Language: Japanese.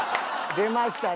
出ましたね。